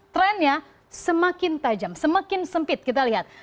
trennya semakin tajam semakin sempit kita lihat